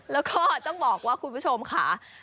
แล้วก็ต้องบอกว่าคุณผู้ชมค่ะ